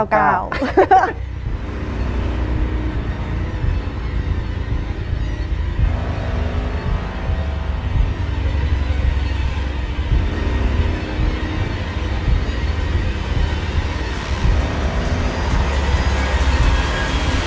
เก่า